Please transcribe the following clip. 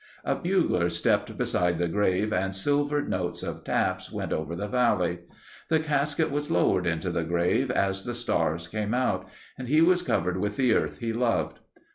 A bugler stepped beside the grave and silvered notes of taps went over the valley. The casket was lowered into the grave as the stars came out, and he was covered with the earth he loved.